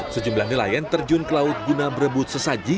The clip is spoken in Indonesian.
sejumlah nelayan terjun ke laut guna berebut sesaji